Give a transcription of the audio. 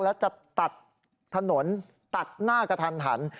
และจะตัดถนนตัดหน้ากระทัน